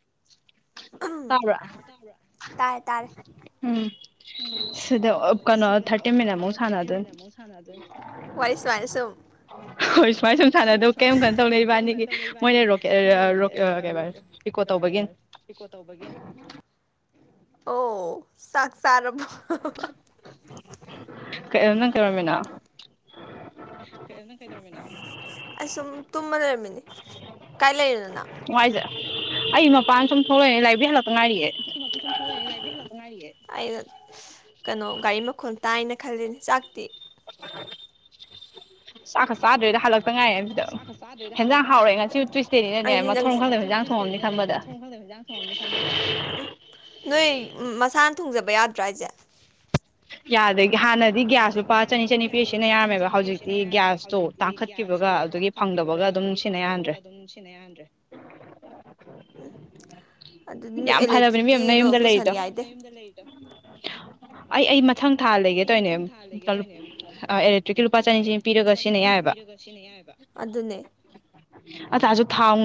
[inaudible] ꯇꯥꯔꯦ ꯇꯥꯔꯦ ꯎꯝꯗ ꯁꯩꯗ ꯀꯩꯅꯣ ꯊꯥꯔꯇꯤꯟ ꯃꯤꯅꯤꯠ ꯃꯨꯛ ꯁꯥꯟꯅꯗꯣꯏꯅꯤ ꯋꯥꯔꯤ ꯁꯨꯃꯥꯏꯅ ꯁꯨꯝ꯫ ꯍꯣꯏ ꯁꯨꯃꯥꯏ ꯁꯨꯝ ꯁꯥꯟꯅꯗꯧ ꯀꯏꯝ ꯀꯩꯅꯣ ꯇꯧꯔꯣꯢ ꯏꯕꯥꯅꯤꯒꯤ ꯃꯣꯏꯅ ꯔꯣꯀꯦꯠ ꯑ ꯔꯣꯀꯣꯠ ꯑ ꯀꯩꯕ ꯔꯦꯀꯣꯠ ꯇꯧꯕꯒꯤꯅꯤ꯫ ꯀꯦꯀꯣꯠ ꯇꯧꯕꯒꯤꯅꯤ꯫ ꯑꯣ ꯆꯥꯛ ꯆꯥꯔꯕꯣ [unintelligible] ꯀꯩꯅꯣ ꯅꯪ ꯀꯩꯗꯧꯔꯝꯃꯤꯅꯣ ꯑꯁ ꯁꯨꯝ ꯇꯨꯝꯃ ꯂꯩꯔꯃꯤꯅꯤ ꯀꯥꯏꯂꯩꯅꯣ ꯅꯪ ꯑꯩ ꯃꯄꯥꯟ ꯁꯨꯝ ꯊꯣꯛꯂꯛꯏ ꯂꯥꯏꯕꯔ꯭ꯤ ꯍꯜꯂꯛ ꯑꯩꯁꯨꯝ ꯃꯄꯥꯜ ꯊꯣꯛꯂꯛꯏ ꯂꯥꯏꯕꯔ꯭ꯤ ꯍꯜꯂꯛꯇ ꯉꯥꯢꯔꯤꯌꯦ ꯑꯩꯅ ꯀꯩꯅꯣ ꯒꯥꯔꯤ ꯃꯈꯣꯜ ꯇꯥꯏꯅ ꯈꯜꯂꯤꯅꯤ ꯆꯥꯛꯇꯤ ꯆꯥꯛꯀ ꯆꯥꯗꯔ꯭ꯤꯗ ꯍꯜꯂꯛ ꯆꯥꯛꯀ ꯆꯥꯗꯔ꯭ꯤꯗ ꯍꯜꯂꯛꯇ ꯉꯥꯏꯔꯤ ꯍꯥꯏꯕꯁꯤꯗ ꯉꯁꯤ ꯑꯩꯗꯤ ꯅꯪ ꯇꯨꯁꯗꯦꯅꯤꯅꯅꯦ ꯃꯊꯣꯡ ꯈꯪꯗ ꯍꯟꯖꯥꯡ ꯊꯣꯡꯉꯝꯅꯤ ꯈꯟꯕꯗ ꯅꯣꯏ ꯃꯁꯥꯅ ꯊꯣꯡꯖꯕ ꯌꯥꯗ꯭ꯔꯥ ꯍꯥꯏꯁꯦ ꯌꯥꯗꯦ ꯌꯥꯗ ꯍꯥꯟꯅꯗꯤ ꯒ꯭ꯌꯥꯁꯇꯨꯄꯥ ꯆꯅꯤ ꯆꯅꯤ ꯄꯤ ꯁꯤꯟꯅ ꯌꯥꯝꯔꯃꯦꯕ ꯍꯧꯖꯤꯛꯇꯤ ꯒ꯭ꯌꯥꯁꯇꯣ ꯇꯥꯡꯈꯠꯈꯤꯕꯒ ꯑꯗꯨꯒꯤ ꯐꯪꯗꯕꯒ ꯑꯗꯨꯝ ꯁꯤꯅ ꯌꯥꯍꯟꯗ꯭ꯔꯦ ꯑꯗꯨ ꯅꯣꯏ ꯏꯂꯦꯛꯇ꯭ꯔꯤꯛꯀꯤꯗꯣ ꯄꯨꯁꯟꯒꯦ ꯍꯥꯏꯗꯦ ꯑꯩ ꯑꯩ ꯃꯊꯪ ꯊꯥ ꯂꯩꯒꯦ ꯇꯧꯔꯤꯅꯦ ꯏꯂꯦꯛꯇ꯭ꯔꯤꯛꯀꯤ ꯂꯨꯄꯥ ꯆꯅꯤ ꯆꯅꯤ ꯄꯤꯔꯒ ꯁꯤꯖꯤꯟꯅꯕ ꯌꯥꯏꯌꯦꯕ ꯑꯗꯨꯅꯦ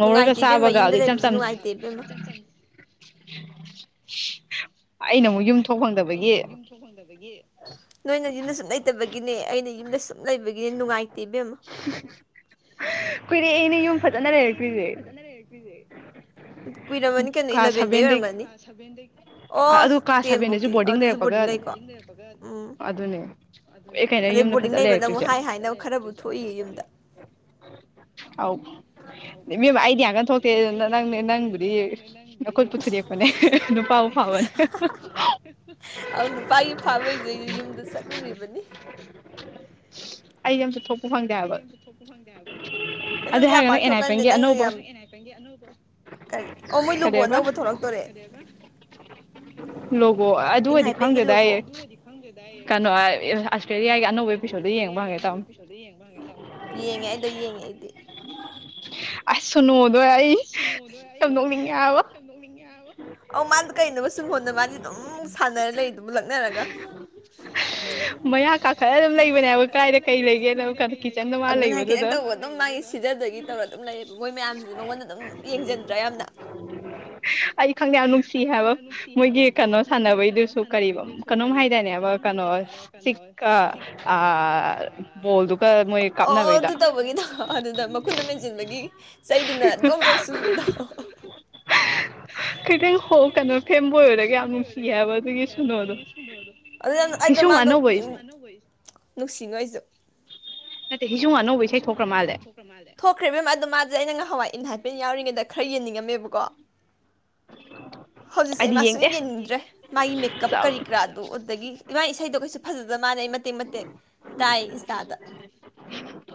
ꯅꯨꯡꯉꯥꯏꯇꯦ ꯏꯕꯦꯝꯃ ꯌꯨꯝꯗ ꯂꯩꯕꯁꯨ ꯅꯨꯡꯉꯥꯏꯇꯦ ꯏꯕꯦꯝꯃ ꯑꯩꯅ ꯑꯃꯨꯛ ꯌꯨꯝ ꯊꯣꯛ ꯐꯪꯗꯕꯒꯤ ꯅꯣꯏꯅ ꯌꯨꯝꯗ ꯁꯨꯝ ꯂꯩꯇꯕꯒꯤꯅꯦ ꯑꯩꯅ ꯌꯨꯝꯗ ꯁꯨꯝ ꯂꯩ ꯗꯤ ꯅꯨꯡꯉꯥꯏꯇꯦ ꯏꯕꯦꯝꯃ [unintelligible] ꯀꯨꯏꯔꯦ ꯑꯩꯅ ꯌꯨꯝ ꯐꯖꯅ ꯂꯩꯔꯛꯇꯔꯤꯁꯦ ꯀꯨꯏꯔꯝꯃꯅꯤ ꯀꯩꯅꯣ ꯢꯂꯚꯦꯟꯗꯩꯩ ꯑꯣꯏꯔꯝꯒꯅꯤ ꯀꯂ꯭ꯥꯁ ꯁꯕꯦꯟ ꯑꯣ ꯇꯦꯝꯐꯧꯇꯤ ꯑꯗꯨꯁꯨ ꯕꯣꯔꯗꯤꯡ ꯂꯩꯀꯣ ꯎꯝ ꯑꯗꯩ ꯕꯣꯔꯗꯤꯡ ꯂꯩꯕꯅ ꯑꯃꯨꯛ ꯍꯥꯏ ꯍꯥꯏꯅꯕ ꯈꯔꯕꯨ ꯊꯣꯛꯏ ꯌꯨꯝꯗ ꯏꯕꯦꯝꯃ ꯑꯩꯗꯤ ꯊꯣꯛꯇꯦ ꯑꯗꯨꯅ ꯅꯪꯅꯦ ꯅꯪꯕꯨꯗꯤ ꯅꯈꯨꯠꯄꯨ ꯊꯨꯗꯦꯛꯄꯅꯦ ꯑꯗꯨ ꯄꯥꯎ ꯑ ꯅꯨꯄꯥꯒꯤ ꯐꯥꯕꯩꯁꯨ ꯌꯨꯝꯗ ꯆꯠꯂꯨꯔꯤꯕꯅꯤ ꯑꯩ ꯌꯨꯝꯁꯨ ꯊꯣꯛ ꯑꯩꯄꯪꯗꯦꯕ ꯅꯪꯗꯤ ꯌꯥꯝ ꯄꯥꯛꯊꯣꯛꯀꯥꯟꯗꯦ ꯅꯪꯅ ꯀ ꯑꯣ ꯃꯣꯏꯂꯨꯕ ꯑꯅꯧꯕ ꯊꯣꯛꯂꯛꯇꯣꯔꯦ ꯂꯣ ꯏꯟ ꯍꯥꯏꯄꯦꯟꯒꯤ ꯂꯣꯒꯣ ꯑꯗꯨ ꯑꯣꯏꯗꯤ ꯈꯪꯗꯦꯗ ꯑꯩ ꯀꯩꯅꯣ ꯑꯅꯧꯕꯒꯤ ꯑꯦꯄꯤꯁꯣꯗ ꯌꯦꯡꯕ ꯍꯧꯒꯦ ꯇꯧꯕꯅꯤ ꯌꯦꯡꯉꯦ ꯑꯩꯗꯣ ꯌꯦꯡꯉꯦ ꯑꯩꯗꯤ ꯁꯨꯅꯣꯗꯣꯏ ꯑꯩ ꯁꯝꯗꯣꯛꯅꯤꯡꯉꯦ ꯍꯥꯏꯕ ꯑꯧ ꯃꯥꯗꯣ ꯀꯩꯅꯣ ꯁꯨꯡꯍꯣꯟꯅ ꯃꯥꯗꯤ ꯑꯗꯨꯝ ꯁꯥꯟꯅꯔ ꯂꯩ ꯑꯗꯨꯝ ꯂꯛꯅꯔꯒ ꯃꯥꯌꯥ ꯀꯥꯈꯠꯂꯒ ꯑꯗꯨꯝ ꯂꯩꯕꯅꯦ ꯍꯥꯏꯕ ꯀꯥꯏꯗ ꯀꯩ ꯂꯩꯒꯦꯅ ꯈꯤꯇꯪ ꯇꯧꯕ ꯑꯗꯨꯝ ꯃꯥꯒꯤ ꯁꯤꯗꯗꯒꯤ ꯇꯧꯔ ꯑꯗꯨꯝ ꯂꯩ ꯃꯣꯏ ꯃꯌꯥꯝ ꯃꯉꯣꯟꯗ ꯑꯗꯨꯝ ꯌꯦꯡꯁꯤꯟꯗ꯭ꯔꯥ ꯌꯥꯝꯅ ꯑꯩ ꯈꯪꯗꯦ ꯌꯥꯝ ꯅꯨꯡꯁꯤ ꯍꯥꯏꯕ ꯃꯣꯏꯒꯤ ꯀꯩꯅꯣ ꯁꯥꯟꯅꯕꯩꯗꯨꯁꯨ ꯀꯣ ꯍꯥꯏꯗꯅꯦꯕ ꯀꯩꯅꯣꯀ ꯑꯣ ꯑꯗꯨ ꯇꯧꯕꯒꯤꯗ ꯑꯗꯨꯗ ꯃꯈꯨꯠꯅ ꯃꯦꯟꯁꯤꯟꯕꯒꯤ ꯆꯩꯗꯨꯅ ꯗꯣꯛ ꯗꯣꯛ ꯁꯨꯨꯕꯗꯣ ꯇꯪ ꯁꯣꯛꯇꯅ ꯐꯦꯝꯕꯣꯏ ꯑꯣꯏꯔꯒ ꯌꯥꯝ ꯅꯨꯡꯁꯤꯌꯦ ꯍꯥꯏꯕ ꯑꯗꯨꯒꯤ ꯑꯗꯨ ꯑꯩꯗꯣ ꯃꯥꯗꯣ ꯅꯨꯡꯁꯤꯕꯩꯁꯨ ꯊꯣꯛꯈ꯭ꯔꯦ ꯏꯕꯦꯝꯃ ꯑ ꯅꯪ ꯍꯋꯥꯏ ꯏꯝꯍꯥꯄꯦꯟ ꯌꯥꯎꯔꯤꯉꯩꯗ ꯈꯔ ꯌꯦꯡꯅꯤꯡꯉꯝꯃꯦꯕꯀꯣ ꯍꯧꯖꯤꯛꯁꯦ ꯑꯩꯃꯁꯨ ꯌꯦꯡꯅꯤꯡꯗ꯭ꯔꯦ ꯃꯥꯒꯤ ꯃꯦꯀꯞ ꯀꯔꯤ ꯀꯔꯥꯗꯣ ꯑꯗꯨꯗꯒꯤ ꯏꯃꯥ ꯏꯁꯩꯗꯣ ꯀꯩꯏꯁꯨ ꯐꯖꯗꯅ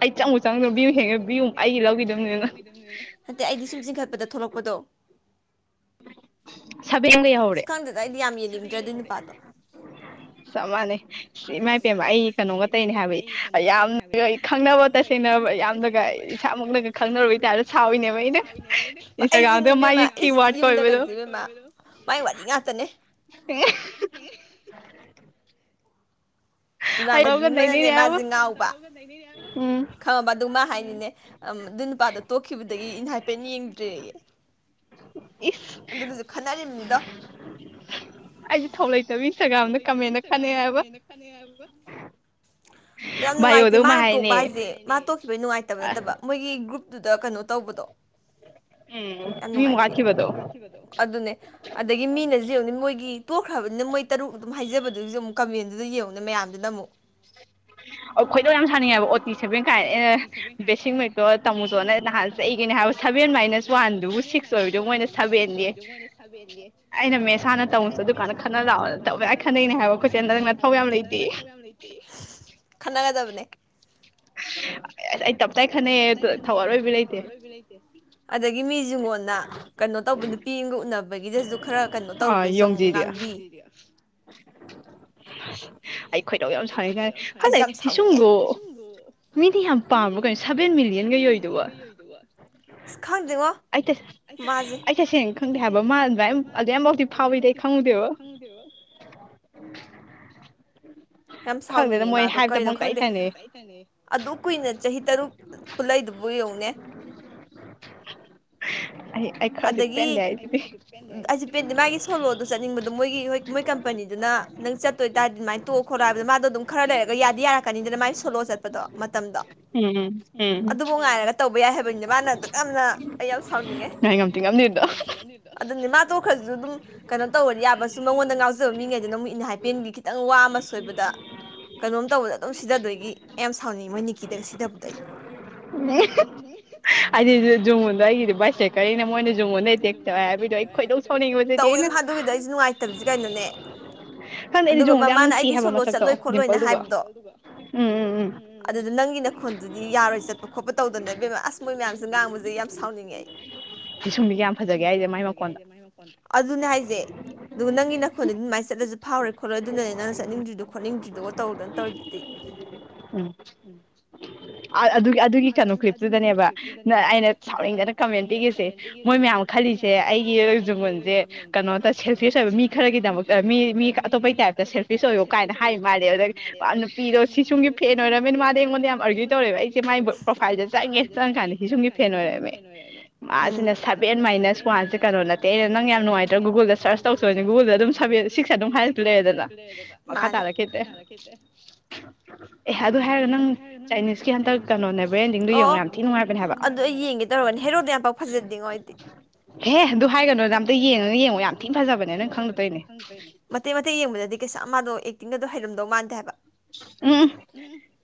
ꯑꯩ ꯆꯪꯉꯨ ꯆꯪꯗꯦ ꯚꯤꯌꯨ ꯍꯦꯟꯕꯤꯌꯨ ꯑꯩꯒꯤ ꯂꯧꯕꯤꯗ ꯑꯩꯒꯤ ꯂꯗꯅꯤꯅ ꯍꯟ ꯑꯩꯗꯤ ꯁꯨꯝ ꯆꯤꯡꯈꯠꯄꯗ ꯊꯣꯛꯂꯛꯄ ꯀꯗꯣ ꯁꯕꯦꯡꯒꯩ ꯍꯧꯔꯦ ꯆꯞ ꯃꯥꯟꯅꯩ ꯁꯤ ꯏꯃꯥꯏ ꯏ ꯄꯦꯟꯕ ꯑꯩ ꯀꯩꯅꯣꯒꯇꯩꯅꯦ ꯍꯥꯏꯕꯩ ꯌꯥꯝꯅ ꯈꯪꯅꯕ ꯇꯁꯦꯡꯅꯕ ꯌꯥꯝꯅꯒ ꯏꯁꯥꯃꯛꯅꯒ ꯈꯪꯅꯔꯨꯕꯩꯇꯥꯔꯗꯣ ꯁꯥꯎꯋꯏꯅꯦꯕ ꯑꯩꯅ ꯏꯟꯁꯇꯥꯒ꯭ꯔꯥꯝꯗ ꯃꯥꯒꯤ ꯀꯤꯋꯥꯔꯗ ꯀꯕꯗꯣ ꯏꯃꯥꯟꯅꯕꯤ ꯑꯃꯅꯅꯦ ꯃꯥꯁꯦ ꯉꯥꯎꯕ ꯈꯪꯉꯕ ꯑꯗꯨ ꯃꯥ ꯍꯥꯏꯅꯤꯅꯦ ꯑꯗꯨ ꯅꯨꯄꯥꯗꯣ ꯇꯣꯛꯈꯤꯕꯗꯒꯤ ꯏꯟ ꯍꯥꯏꯐꯦꯠ ꯌꯦꯡꯗ꯭ꯔꯦ ꯑꯗꯨꯒꯤꯁꯨ ꯈꯟꯅꯔꯤꯕꯅꯤꯗꯣ ꯌꯥꯝ ꯅꯨꯡꯉꯥꯏꯇꯦ ꯃꯥꯅ ꯇꯣꯛꯄ ꯍꯥꯏꯁꯦ ꯃꯥ ꯇ ꯅꯨꯡꯉꯥꯏꯇꯕ ꯅꯠꯇꯕ ꯃꯣꯏꯒꯤ ꯒ꯭ꯔꯨꯞ ꯑꯗꯨꯗ ꯀꯩꯅꯣ ꯇꯧꯕꯗꯣ ꯌꯥꯝ ꯅꯨꯡꯉꯥꯏꯇꯦ ꯑꯗꯨ ꯑꯗꯨꯅꯦ ꯑꯗꯒꯤ ꯃꯤꯅꯁꯤꯡꯅꯤ ꯃꯣꯏꯒꯤ ꯇꯣꯛꯈ꯭ꯔꯕꯅꯤꯅ ꯃꯣꯏ ꯇꯔꯨꯛ ꯑꯗꯨꯝ ꯍꯥꯏꯖꯕꯗꯨꯁꯨ ꯑꯃꯨꯛ ꯀꯃꯦꯟꯗꯨꯗ ꯌꯦꯡꯉꯨꯅ ꯃꯌꯥꯝ ꯏꯗꯃ ꯑꯣ ꯈꯣꯏꯗꯧ ꯌꯥꯝ ꯁꯥꯅꯤꯡꯉꯦ ꯍꯥꯏꯕ ꯑꯣ ꯇꯤ ꯁꯚꯦꯟ ꯀꯥꯏꯅ ꯑꯩꯅ ꯕꯦꯁꯤꯡ ꯃꯛꯇꯣ ꯇꯝꯃꯨꯁꯨ ꯅ ꯅꯍꯥꯟ ꯆꯏꯒꯅꯦ ꯍꯥꯏꯕ ꯁꯚꯦꯟ ꯃꯥꯏꯅꯁ ꯋꯥꯟꯗꯨꯕꯨ ꯁꯤꯛꯁ ꯑꯣꯏꯕꯗꯨ ꯃꯣꯏꯅ ꯁꯚꯦꯟꯅꯤ ꯑꯩꯅ ꯃꯦꯁ ꯍꯥꯟꯅ ꯇꯝꯃꯨꯁꯨ ꯑꯗꯨꯀꯥꯟꯗ ꯈꯟꯅ ꯂꯥꯛꯑꯣ ꯇꯧꯋ ꯑꯩ ꯈꯠꯅꯩꯅꯦ ꯍꯥꯏꯕ ꯈꯣꯠꯆꯦꯜ ꯅ ꯅꯪ ꯅ ꯊꯊꯧ ꯌꯥꯝ ꯂꯩꯇꯦ [inaudible] ꯈꯅꯥꯒꯗꯕꯅꯦ ꯑꯗꯒꯤ ꯃꯤꯁꯤꯡꯉꯣꯟꯅ ꯀꯩꯅꯣ ꯇꯧꯕ ꯅꯨꯄꯤꯒ ꯎꯅꯕ ꯕꯒꯤꯗꯁꯨ ꯈꯔ ꯀꯩꯅꯣ ꯇꯧꯔꯨꯕꯩꯁꯨ ꯑꯃꯨꯛ ꯉꯥꯡꯕꯤ ꯑꯩ ꯑꯩ ꯈ ꯑꯩꯁꯦ ꯌꯥꯝꯥꯎꯅꯤꯡꯉꯦꯨꯡꯗꯣ ꯃꯤꯗꯤ ꯌꯥꯝ ꯄꯥ ꯀꯩꯅꯣꯦꯟ ꯃꯤꯌꯟꯩ ꯑꯣꯏꯗ ꯈꯗꯉꯣ ꯑꯩꯁꯦ ꯁꯦꯡꯅ ꯈꯪꯗꯦ ꯍꯥꯏꯕꯥꯎ ꯐꯥꯎ ꯈꯪꯗꯦꯕ ꯎꯝ [inaudible] ꯌꯥꯝ ꯁꯥꯎꯅꯤꯡꯉꯤ ꯏꯃꯥꯗꯣ ꯀꯔꯤꯅꯣ ꯈꯪꯗꯦ ꯑꯗꯨ ꯀꯨꯏꯅ ꯆꯍꯤ ꯇꯔꯨꯛ ꯄꯨꯜꯂꯛꯏꯗꯨꯕꯨ ꯌꯦꯡꯅꯦ ꯑꯗꯒꯤ ꯍꯥꯏꯄꯦꯟꯗꯤ ꯃꯥꯒꯤ ꯁꯣꯂꯣꯗꯣ ꯆꯠꯅꯤꯡꯕꯗꯣ ꯃꯣꯏꯒꯤ ꯍ ꯀꯝꯅꯤꯗꯨꯅ ꯅꯪ ꯆꯠꯇꯣꯏ ꯇꯔꯗꯤꯃꯥꯏ ꯇ ꯈꯣꯠꯂ ꯍꯥꯏꯕ ꯃꯥꯗꯣ ꯑꯗꯨꯝ ꯈꯔ ꯂꯩꯔꯒ ꯌꯥꯗꯤ ꯌꯥꯔꯛꯀꯅꯤꯗꯅꯥꯏ ꯁꯣꯂꯣ ꯆꯠꯄꯗꯣ ꯃꯇꯝꯗꯣ ꯑꯗꯨꯕꯨ ꯉꯥꯏꯔꯒ ꯇꯧꯕ ꯇꯧꯕ ꯌꯥꯏ ꯍꯥꯏꯕꯅꯤꯅꯦ ꯃꯥꯅ ꯑꯗꯨꯛ ꯌꯥꯝꯅ ꯑꯩ ꯌꯥꯝ ꯁꯥꯎꯅꯤꯡꯉꯦ ꯑꯗꯨꯅꯦ ꯃꯥꯗꯣ ꯈ꯭ꯔꯁꯨ ꯑꯗꯨꯝ ꯀꯩꯅꯣ ꯇꯧꯔꯗꯤ ꯌꯥꯕꯁꯨ ꯃꯉꯣꯟꯗ ꯉꯥꯎꯖꯕ ꯃꯤꯉꯩꯗꯅ ꯑꯃꯨꯛ ꯏꯟ ꯍꯥꯏꯄꯦꯟꯒꯤ ꯈꯤꯇꯪ ꯋꯥ ꯑꯃ ꯁꯣꯏꯕꯗ ꯀꯩꯅꯣꯝ ꯇꯧꯕꯗ ꯑꯗꯨꯝ ꯁꯤꯗꯗꯣꯏꯒꯤ ꯑꯩ ꯌꯥꯝ ꯁꯥꯎꯅꯤꯡꯉꯤ ꯃꯣꯏ ꯅꯤꯀꯤꯗꯒ ꯁꯤꯊꯕꯗꯣ ꯑꯩ ꯑꯩꯗꯤ [unintelligible] ꯗꯣ ꯑꯩꯁꯨ ꯅꯨꯡꯉꯥꯏꯇꯕꯁ ꯀꯩꯅꯣꯅꯦ ꯑꯗꯨꯒ ꯃꯃꯥꯅ ꯑꯩꯗꯤ ꯁꯣꯂꯣ ꯆꯠꯂꯣꯏ ꯈꯣꯠꯂꯣꯏꯅ ꯍꯥꯏꯕꯗꯣ ꯑꯗꯨꯗ ꯅꯪꯒꯤ ꯅꯈꯣꯟꯗꯨꯗꯤ ꯌꯥꯔꯣꯏ ꯆꯠꯄ ꯈꯣꯠꯄ ꯇꯧꯗꯅꯦ ꯢꯕꯦꯃ ꯃꯣꯏ ꯃꯌꯥꯝꯁꯦ ꯉꯥꯡꯕꯁꯦ ꯌꯥꯝ ꯁꯥꯎꯅꯤꯡꯉꯦ ꯑꯩ ꯐ ꯑꯗꯨꯅꯦ ꯍꯥꯏꯁꯦ ꯑꯗꯨꯒ ꯅꯪꯒꯤ ꯅꯈꯣꯟꯗꯗꯤ ꯑꯗꯨꯃꯥꯏꯅ ꯆꯠꯂꯁꯨ ꯐꯥꯎꯔꯣꯢ ꯈꯣꯠꯂꯣꯢ ꯑꯗꯨꯅꯅꯦ ꯅꯪꯅ ꯆꯠꯅꯤꯡꯗ꯭ꯔꯤꯗꯣ ꯈꯣꯠꯗ꯭ꯔꯤꯗꯨꯒ ꯇꯧꯗꯅ ꯇꯧꯔꯤꯗꯨꯗꯤ ꯑꯑꯗꯨꯒꯤ ꯑꯗꯨꯒꯤ ꯀꯩꯅꯣ ꯀ꯭ ꯑꯩꯅ ꯁꯥꯎꯅꯤꯡꯗꯅ ꯀꯃꯦꯟ ꯄꯤꯒ꯭ꯔꯤꯁꯦ ꯃꯣꯏ ꯃꯌꯥꯝ ꯈꯜꯂꯤꯁꯦ ꯑꯩꯒꯤ ꯖꯨꯡꯒꯨꯟꯁꯦ ꯀꯩꯅꯣꯗ ꯁꯦꯜꯐꯤꯁ ꯑꯣꯏꯕ ꯃꯤ ꯈꯔꯒꯤꯗꯃꯛꯇ ꯃꯤ ꯃꯤ ꯑꯇꯣꯞꯄꯩ ꯇꯥꯏꯞꯇ ꯁꯦꯜꯐꯤꯁ ꯑꯣꯏꯌꯣ ꯀꯥꯏꯅ ꯍꯥꯏ ꯃꯥꯜꯂꯦ ꯑ ꯅꯨꯄꯤꯗꯣ ꯁꯤ ꯁꯨꯝꯒꯤ ꯐꯦꯟ ꯑꯣꯏꯔꯝꯅꯤꯅ ꯃꯥꯗꯤ ꯑꯩꯉꯣꯟꯗ ꯌꯥꯝ ꯑꯥꯒ꯭ꯌꯨ ꯇꯧꯔꯦꯕ ꯑꯩꯁꯦ ꯇꯧꯔꯦꯕ ꯑꯩꯁꯦꯃꯥꯢꯗꯣ ꯆꯪꯉꯦ ꯆꯪꯉꯀꯥꯟꯗ ꯍꯤꯁꯨꯝꯒꯤ ꯐꯦꯟ ꯑꯣꯏꯔꯝꯃꯦ ꯃꯥꯁꯤꯅ ꯁꯚꯦꯟ ꯃꯥꯏꯅꯁ ꯋꯥꯟꯁꯦ ꯀꯩꯅꯣ ꯅꯠꯇꯦ ꯑꯩꯅ ꯅꯪ ꯌꯥꯝ ꯅꯨꯡꯉꯥꯏꯇ꯭ꯔꯥ ꯒꯨꯒꯜꯗ ꯁꯔꯁ ꯇꯧꯁꯨꯅꯤ ꯒꯨꯒꯨꯜꯗ ꯑꯗꯨꯝ ꯁꯚꯦꯟ ꯁꯤꯛꯁ ꯑꯗꯨꯝ ꯍꯥꯏꯔꯛꯇꯨꯢ ꯂꯩꯔꯦꯗꯅ ꯃꯈꯥ ꯇꯥꯔꯛꯈꯤꯇꯗ꯭ꯔꯦ ꯑꯦ ꯑꯗꯨ ꯍꯥꯏꯔꯒ ꯅꯪ ꯆꯥꯏꯅꯤꯁꯀꯤ ꯆꯥꯏꯅꯤꯁꯀꯤ ꯈꯟꯇꯛ ꯀꯩꯅꯣꯅꯦ ꯑꯗꯨ ꯑꯩ ꯌꯦꯡꯒꯦ ꯇꯧꯔꯕꯅꯦ ꯍꯦꯔꯣꯗꯣ ꯌꯥꯝ ꯄꯥꯛ ꯐꯖꯗꯉꯣꯗꯤ [unintelligible] ꯗꯗꯤ ꯀꯩꯁꯥ ꯌꯥꯝꯃꯥꯗꯣ ꯑꯦꯛꯇꯤꯡꯒꯗꯣ ꯍꯔꯝꯗꯧ ꯃꯥꯟꯗꯦ ꯍꯥꯏꯕ ꯎꯝ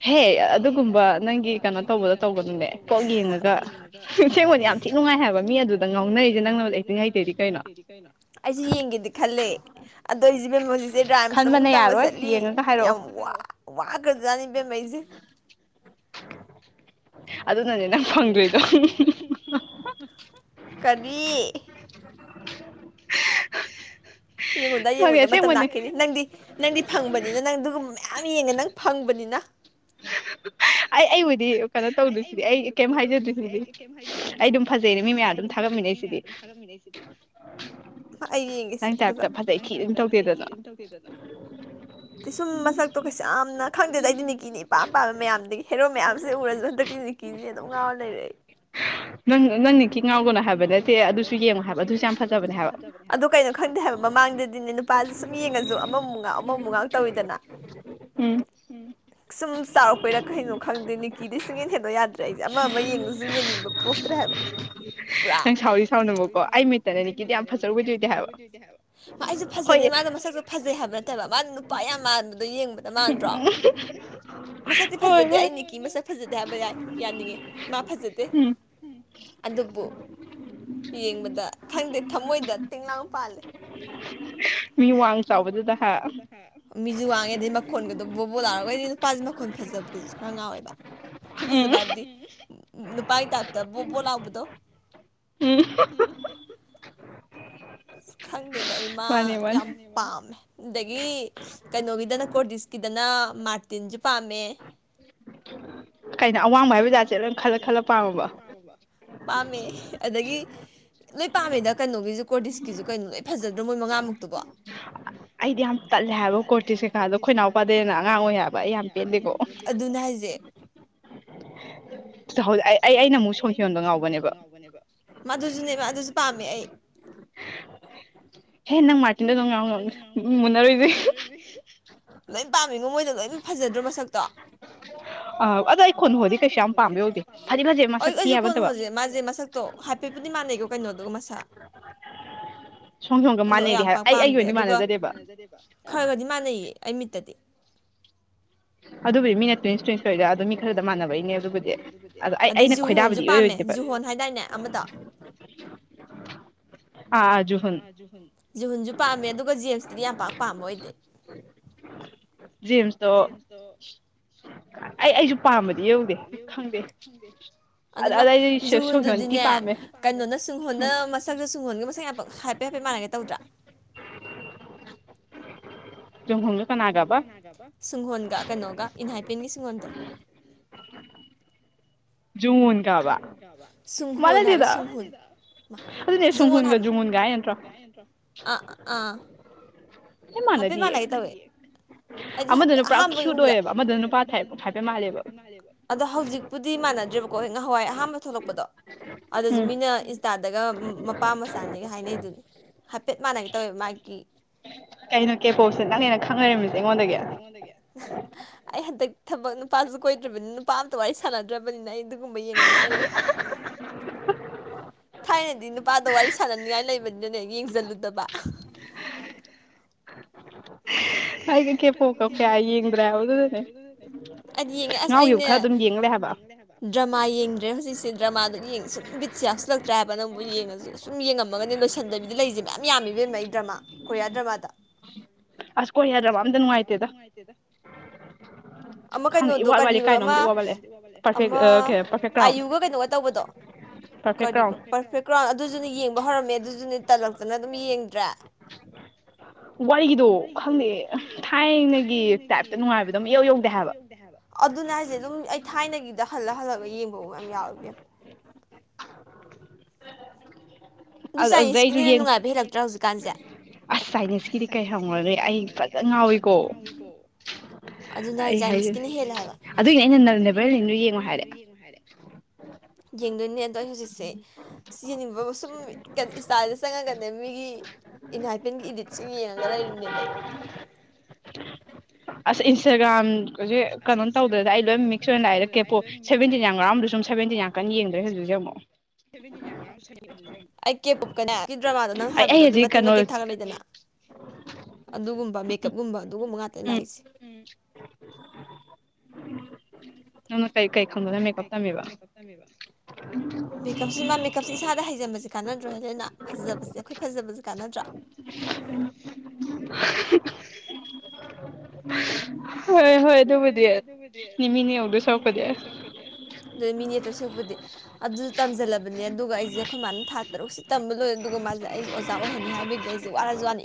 ꯍꯦ ꯑꯗꯨꯒꯨꯝꯕ ꯅꯩꯅꯣ ꯇ ꯌꯥꯝ ꯑꯩꯁ ꯌꯦꯡꯒꯦꯗꯤ ꯈꯂꯦ ꯑꯗꯣ ꯢꯕꯦꯝ ꯑꯃꯖꯤꯁꯦ ꯗꯥꯏꯝꯁꯨꯛ ꯇ ꯆꯠꯂꯤ ꯌꯥꯝ ꯋꯥ ꯋꯥꯒ꯭ꯔꯖꯠꯅꯤ ꯢꯕꯦꯝꯃ ꯑꯩꯁꯦ ꯑꯗꯨꯅꯅꯤ ꯅꯪ ꯐꯪꯗ꯭ꯔꯤꯗꯣ ꯀꯔꯤ ꯌꯦꯡꯉꯨꯗ ꯌꯦꯡꯉꯨꯗ ꯃꯇꯝ ꯂꯥꯛꯈꯤꯅꯤ ꯅꯪꯗꯤ ꯅꯪꯗꯤ ꯐꯪꯕꯅꯤꯅ ꯅꯪ ꯑꯗꯨꯒꯨꯝꯕ ꯃꯌꯥꯝ ꯌꯦꯡꯉꯦ ꯅꯪ ꯐꯪꯕꯅꯤꯅ ꯑꯩ ꯑꯩꯕꯨꯗꯤ ꯑꯩ ꯑꯩꯕꯨꯗꯤ ꯀꯩꯅꯣ ꯇꯧꯗ꯭ꯔꯤꯁꯤꯗꯤ ꯑꯩ ꯀꯩꯝ ꯍꯥꯏꯖꯗꯣꯏꯁꯤꯗꯤ ꯑꯩ ꯑꯗꯨꯝ ꯐꯖꯩꯅꯦ ꯃꯤ ꯃꯌꯥꯝ ꯑꯗꯨꯝ ꯊꯥꯒꯠꯃꯤꯟꯅꯩꯁꯤꯗꯤ ꯑꯩ ꯌꯦꯡꯒꯦꯁꯦ ꯑꯗꯨꯒ ꯅꯪ ꯇꯥꯏꯔꯞꯇ ꯐꯖꯩꯊꯤ ꯑꯅ ꯇꯧꯗꯦꯗꯅ ꯑ ꯁꯨꯝ ꯃꯁꯛꯇꯣ ꯀꯩꯁꯨ ꯌꯥꯝꯅ ꯈꯪꯗꯦꯗ ꯑꯩꯗꯤ ꯅꯤꯀꯤꯅ ꯑꯄꯥꯝ ꯄꯥꯝꯕ ꯃꯌꯥꯝꯗꯒꯤ ꯍꯦꯔꯣ ꯃꯌꯥꯝꯁꯦ ꯎꯔꯂꯣꯏ ꯍꯟꯗꯛꯇꯤ ꯔꯤꯀꯤ ꯑꯗꯨꯝ ꯉꯥꯎꯔ ꯂꯩꯔꯦ ꯑꯩ ꯅꯪ ꯅꯪ ꯅꯤꯀꯤ ꯉꯥꯎꯒꯅꯨ ꯍꯥꯢꯕ ꯅꯠꯇꯦ ꯑꯗꯨꯁꯨ ꯌꯦꯡꯉꯨ ꯍꯥꯢꯕ ꯑꯗꯨꯁꯨ ꯌꯥꯝ ꯐꯖꯕꯅꯤ ꯍꯥꯢꯕ ꯑꯗꯨ ꯀꯩꯅꯣ ꯈꯪꯗꯦ ꯍꯥꯏꯕ ꯃꯃꯥꯡꯗꯗꯤꯅꯦ ꯅꯨꯄꯥꯁꯦ ꯁꯨꯝ ꯌꯦꯡꯉꯁꯨ ꯑꯃꯃꯨꯛ ꯉꯥꯎ ꯑꯃꯃꯨꯛ ꯉꯥꯎ ꯇꯧꯋꯤꯗꯅ ꯁꯨꯝ ꯆꯥꯎꯔꯛꯄꯩꯔꯥ ꯀꯩꯅꯣ ꯈꯪꯗꯦ ꯅꯤꯀꯤꯗꯤ ꯈꯦꯟꯗꯣ ꯌꯥꯗ꯭ꯔꯦ ꯑꯩꯁꯦ ꯑꯃ ꯑꯃ ꯌꯦꯡꯉꯁꯨ ꯌꯦꯡꯅꯤꯡꯕ ꯄꯣꯛꯇ꯭ꯔꯦ ꯍꯥꯏꯕ ꯄꯨꯔꯥ ꯑꯩꯁꯨ ꯐꯖꯗꯦ ꯃꯥꯅ ꯃꯁꯛꯁꯨ ꯐꯖꯩ ꯍꯥꯏꯕ ꯅꯠꯇꯕ ꯃꯥꯅ ꯅꯨꯄꯥ ꯌꯥꯝ ꯃꯥꯟꯕꯗꯣ ꯌꯦꯡꯕꯗ ꯃꯥꯟꯗ꯭ꯔꯣ ꯃꯁꯛꯇꯤ ꯐꯖꯗꯦ ꯑꯩ ꯅꯤꯀꯤ ꯃꯁꯛ ꯐꯖꯗꯦ ꯕ ꯌꯥꯏ ꯌꯥꯅꯤꯡꯉꯦ ꯃꯥ ꯐꯖꯗꯦ ꯑꯗꯨꯕꯨ ꯌꯦꯡꯕꯗ ꯈꯪꯗꯦ ꯊꯃꯣꯏꯗ ꯇꯤꯡꯂꯥꯡ ꯄꯥꯜꯂꯦ [inaudible] ꯃꯤꯁꯨ ꯋꯥꯡꯉꯦ ꯑꯗꯩ ꯃꯈꯣꯟꯒꯗꯣ ꯕꯣꯕꯣ ꯂꯥꯎꯔꯒꯗꯤ ꯅꯨꯄꯥꯁꯨ ꯃꯈꯣꯟ ꯐꯖꯕꯗꯁꯨ ꯈꯔ ꯉꯥꯎꯋꯦꯕ ꯐꯖꯕ ꯍꯥꯏꯕꯗꯤ ꯅꯨꯄꯥꯒꯤ ꯇꯥꯏꯞꯇ ꯕꯣ ꯕꯣ ꯂꯥꯎꯕꯗꯣ ꯑꯁ ꯈꯪꯗꯦꯗ ꯑꯩꯃꯥ ꯌꯥꯝ ꯄꯥꯝꯃꯦ ꯑꯗꯒꯤ ꯀꯩꯅꯣꯒꯤꯗꯅ ꯀꯣꯔꯗꯤꯁꯀꯤꯗꯅ ꯃꯥꯔꯇꯤꯟꯁꯨ ꯄꯥꯝꯃꯦ ꯄꯥꯝꯃꯦ ꯑꯗꯒꯤ ꯂꯣꯏ ꯄꯥꯝꯃꯦꯗ ꯀꯩꯅꯣꯒꯤꯁꯨ ꯀꯣꯔꯗꯤꯁ ꯀꯤꯁꯨ ꯀꯩꯅꯣ ꯂꯣꯏ ꯐꯖꯗ꯭ꯔꯣ ꯃꯣꯏ ꯃꯉꯥꯃꯛꯇꯨꯕꯣ ꯑꯗꯨꯅꯦ ꯍꯥꯏꯁꯦ ꯑꯗꯨꯁꯨꯅꯦ ꯑꯗꯨꯁꯨ ꯄꯥꯝꯃꯦ ꯑꯩ ꯂꯣꯏ ꯄꯥꯝꯃꯤꯉꯣ ꯃꯣꯏꯗꯣ ꯂꯣꯏ ꯐꯖꯗꯔ ꯃꯁꯛꯇꯣ ꯑꯩꯖꯨ ꯀꯣꯟꯍꯣꯖꯦ ꯃꯥꯖꯦ ꯃꯁꯛꯇꯣ ꯍꯥꯐꯦꯠꯄꯨꯗꯤ ꯃꯥꯟꯅꯩꯀꯣ ꯀꯩꯅꯣꯗꯨꯒ ꯃꯁꯛ ꯑꯗꯣ ꯌꯥꯝ ꯄꯥꯛ ꯄꯥꯝꯗꯦ ꯑꯗꯨꯒ ꯈꯔꯒꯗꯤ ꯃꯥꯟꯅꯩꯌꯦ ꯑꯩ ꯃꯤꯠꯇꯗꯤ ꯑꯗꯩ ꯖꯨꯍꯣꯟꯁꯨ ꯄꯥꯝꯃꯦ ꯖꯨ ꯍꯣꯟ ꯍꯥꯏꯗꯥꯏꯅꯦ ꯑꯃꯗꯣ ꯖꯨꯍꯨꯟꯁꯨ ꯄꯥꯝꯃꯦ ꯑꯗꯨꯒ ꯖꯦꯝꯁꯇꯨꯗꯤ ꯌꯥꯝ ꯄꯥꯛ ꯄꯥꯝꯕ ꯑꯣꯏꯗꯦ ꯖꯦꯝꯁꯇꯣ [inaudible] ꯑꯗꯨꯅ ꯖꯨꯍꯨꯟꯗꯨꯗꯤꯅꯦ ꯀꯩꯅꯣꯅ ꯁꯨꯡꯍꯣꯟꯅ ꯃꯁꯛꯛꯇꯨ ꯁꯨꯡꯍꯣꯟꯒ ꯃꯁꯛ ꯍꯥꯏꯐꯦꯠ ꯍꯥꯏꯐꯦꯠ ꯃꯥꯟꯅꯒꯦ ꯇꯧꯗ꯭ꯔꯥ ꯁꯨꯍꯣꯟꯒ ꯀꯅꯥꯒꯕ ꯀꯩꯅꯣꯒ ꯏꯟꯍꯥꯏꯄꯤꯡꯒꯤ ꯁꯨꯡꯍꯣꯟꯗꯣ ꯁꯨꯡꯍꯨꯟ ꯍꯥꯏꯕ ꯁꯨꯡꯍꯨꯟ ꯑ ꯍꯥꯏꯐꯦꯠ ꯃꯥꯟꯅꯒꯦ ꯇꯧꯋꯦ ꯑꯩꯗꯤ ꯑꯍꯥꯟꯕ ꯑꯣꯏ ꯎꯕꯗ ꯑꯗꯣ ꯍꯧꯖꯤꯛꯄꯨꯗꯤ ꯃꯅꯗ꯭ꯔꯦ ꯀꯣ ꯉꯍꯥꯟꯋꯥꯏ ꯑꯍꯥꯥꯟꯕ ꯊꯣꯛꯂꯛꯄꯗꯣ ꯑꯗꯨꯁꯨ ꯃꯤꯅ ꯏꯟꯁꯇꯥ ꯗꯒ ꯃꯄꯥ ꯃꯆꯥꯅꯤꯒ ꯍꯥꯏꯅꯩꯗꯨꯅꯤ ꯍꯥꯏꯐꯦꯠ ꯃꯥꯟꯅꯒꯦ ꯇꯧꯋꯦ ꯃꯥꯒꯤ ꯑꯩ ꯍꯟꯗꯛ ꯊꯕꯛ ꯅꯨꯄꯥꯁꯨ ꯀꯣꯏꯗ꯭ꯔꯕꯅꯤꯅ ꯅꯨꯄꯥ ꯑꯝꯇ ꯋꯥꯔꯤ ꯁꯥꯟꯅꯗ꯭ꯔꯕꯅꯤꯅ ꯑꯩ ꯗꯨꯝꯕ ꯌꯦꯡꯉꯒ ꯂꯩꯔꯦ ꯊꯥꯏꯅꯗꯤ ꯅꯨꯄꯥꯗ ꯋꯥꯔꯤ ꯁꯥꯟꯅꯅꯤꯡꯉꯥꯏ ꯂꯩꯕꯅꯤꯅꯅꯦ ꯌꯦꯡꯁꯤꯜꯂꯨꯗꯕ ꯑꯩꯗꯤ ꯌꯦꯡꯉꯦ ꯑꯁ ꯑꯩꯅꯦ ꯗ꯭ꯔꯃꯥ ꯌꯦꯡꯗ꯭ꯔꯦ ꯍꯧꯖꯤꯛꯁꯦ ꯗ꯭ꯔꯃꯥꯗꯨ ꯁꯨꯝ ꯕꯤꯠ ꯁꯤ ꯌꯥꯥꯎꯁꯤꯜꯂꯛꯇ꯭ꯔꯦ ꯍꯥꯏꯕ ꯅꯪꯕꯨ ꯌꯦꯡꯉꯁꯨ ꯁꯨꯝ ꯌꯦꯡꯉꯝꯃꯒꯅꯦ ꯂꯣꯏꯁꯤꯟꯗꯕꯤꯗ ꯂꯩꯔꯤꯁꯦ ꯃꯌꯥꯝ ꯌꯥꯝꯃꯤꯕꯦꯝꯃ ꯑꯩ ꯗ꯭ꯔꯃꯥ ꯀꯣꯔꯤꯌꯥ ꯗ꯭ꯔꯃꯥꯗ [inaudible] ꯑꯁ ꯀꯣꯔꯤꯌꯥ ꯗ꯭ꯔꯃꯥ ꯑꯝꯇ ꯅꯨꯡꯉꯥꯏꯇꯦꯗ ꯑꯃ ꯀꯩꯅꯣꯗꯣ ꯀꯔꯤ ꯑꯃ ꯑꯃ ꯑꯌꯨꯒ ꯀꯩꯅꯣꯒ ꯇꯧꯕꯗꯣ ꯀꯔꯤꯕ ꯄꯔꯐꯦꯛ ꯒ꯭ꯔꯥꯎꯟ ꯑꯗꯨꯁꯨꯅꯦ ꯌꯦꯡꯕ ꯍꯧꯔꯝꯃꯦ ꯑꯗꯨꯁꯨꯅꯦ ꯇꯜꯂꯛꯇꯅ ꯑꯗꯨꯝ ꯌꯦꯡꯗ꯭ꯔꯦ ꯊꯥꯏꯅꯒꯤ ꯇꯥꯏꯞꯇ ꯅꯨꯡꯉꯥꯏꯕꯗꯧꯅ ꯏꯌꯧ ꯌꯧꯗꯦ ꯍꯥꯏꯕ ꯑꯗꯨꯅ ꯍꯥꯏꯁꯦ ꯑꯗꯨꯝ ꯑꯩ ꯊꯥꯏꯅꯒꯤꯗ ꯍꯜꯂ ꯍꯜꯂꯒ ꯌꯦꯡꯕꯕꯎ ꯌꯥꯝ ꯌꯥꯎꯏ ꯏꯕꯦꯝ ꯑꯗꯨ ꯆꯥꯏꯅꯤꯁꯀꯤꯅ ꯍꯦꯟꯅ ꯅꯨꯡꯉꯥꯏꯕ ꯍꯦꯜꯂꯛꯇ꯭ꯔꯥ ꯍꯧꯖꯤꯛꯀꯥꯟꯁꯦ ꯑꯁ ꯆꯥꯏꯅꯤꯁꯀꯤꯗꯤ ꯀꯩ ꯍꯪꯉꯦ ꯑꯩ ꯐꯖꯅ ꯉꯥꯎꯏꯤꯀꯣ ꯑꯗꯨꯅꯦ ꯍꯥꯏ ꯆꯥꯏꯅꯤꯁꯀꯤꯅ ꯍꯦꯜꯂꯦ ꯍꯥꯏꯕ ꯑꯗꯨꯒꯤꯅꯦ ꯑꯩꯅ [unintelligible] ꯍꯥꯏꯔꯦ ꯌꯦꯡꯗꯣꯏꯅꯦ ꯑꯩ ꯍꯧꯖꯤꯛꯁꯦ ꯁꯤ ꯌꯦꯡꯅꯤꯡꯕ ꯁꯨꯝ ꯏꯁꯇꯥꯗ ꯆꯪꯉꯒꯅꯦ ꯃꯤꯒꯤ ꯏꯟꯍꯥꯏꯐꯤꯟ ꯒꯤ ꯏꯗꯤꯠ ꯁꯤ ꯌꯦꯡꯉꯥꯒ ꯂꯩꯔꯤꯅꯦꯕꯥ ꯑꯩ ꯑꯁ ꯏꯟꯁꯇꯥꯒ꯭ꯔꯝ ꯍꯧꯖꯤꯛ ꯀꯩꯅꯣ ꯇꯧꯗ꯭ꯔꯦꯗꯥ ꯑꯩ ꯂꯣꯏꯅ ꯃꯤꯛꯁ ꯑꯣꯏꯅ ꯂꯥꯛꯑꯦ ꯀꯦꯄꯣ ꯁꯕꯦꯟꯇꯤꯟ ꯌꯥꯡ ꯉꯥꯎꯔꯝꯕꯗꯨꯁꯨ ꯃꯨꯛ ꯁꯕꯦꯟꯇꯤꯟ ꯌꯥꯝ ꯀꯟ ꯌꯦꯗ꯭ꯔꯦ ꯍꯧꯖꯤꯛ ꯍꯧꯖꯤꯛ ꯑꯃꯨꯛ ꯀ ꯗ꯭ꯔꯃꯥꯗ ꯅꯪ ꯍꯥꯏꯕꯗꯣ ꯑꯗꯨ ꯃꯇꯦꯛ ꯃꯇꯦꯛ ꯊꯥꯒꯠꯂꯦꯗꯅ ꯑꯗꯨꯒꯨꯝꯕ ꯃꯦꯀꯞꯀꯨꯝꯕ ꯑꯗꯨꯒꯨꯝꯕ ꯉꯇ ꯂꯛꯏꯁꯦ [unintelligible] ꯃꯦꯀꯞꯁꯤ ꯏꯁꯥꯗ ꯍꯩꯟꯕꯁ ꯀꯥꯟꯅꯗ꯭ꯔꯣꯏ ꯐꯖꯁꯦ ꯑꯩꯈꯣꯏ ꯐꯖꯕꯁꯦ ꯀꯥꯟꯅꯗ꯭ꯔꯣ [unintelligible] [unintelligible] ꯑꯗꯨ ꯃꯤꯅꯦꯛꯇꯣꯏꯁꯣꯛꯄꯨꯗꯤ ꯑꯗꯨ ꯇꯝꯁꯤꯜꯂꯕꯅꯦ ꯑꯗꯨꯒ ꯑꯩꯁꯦ ꯑꯩꯈꯣꯏ ꯃꯥꯅ ꯊꯥ ꯇꯔꯨꯛꯁꯦ ꯇꯝꯕ ꯂꯣꯏꯔꯦ ꯑꯗꯨꯒ ꯃꯥꯁꯦ ꯑꯩ ꯑꯣꯖꯥ ꯑꯣꯏꯍꯟꯅꯤ ꯍꯥꯏꯕꯒꯤ ꯑꯩꯁꯦ ꯋꯥꯔꯁꯨ ꯋꯥꯅꯤ